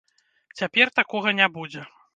Цяпер такога не будзе.